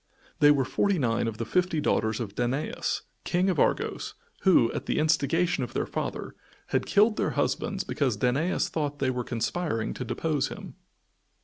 They were forty nine of the fifty daughters of Danaus, King of Argos, who, at the instigation of their father, had killed their husbands because Danaus thought they were conspiring to depose him.